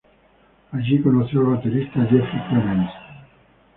Allí conoció al baterista Jeffrey Clemens.